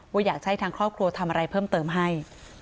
ว่าอยากจะให้ทางครอบครัวทำอะไรเพิ่มเติมให้